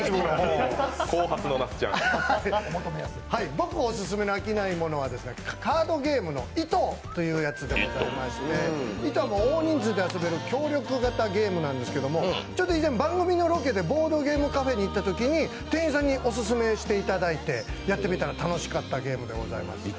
僕、オススメの飽きないものはカードゲームの「ｉｔｏ」です「ｉｔｏ」は大人数で遊べる協力型ゲームなんですけど以前、番組のロケでボードゲームカフェに行ったときに店員さんにオススメされてやってみたら楽しかったゲームでございます。